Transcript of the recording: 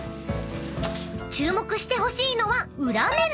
［注目してほしいのは裏面］